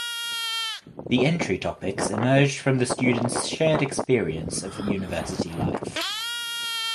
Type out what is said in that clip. The entry topics emerged from the student‘s shared experience of university life.